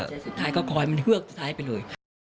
หัวใจสุดท้ายก็คอยมันเฮือกสุดท้ายไปเลย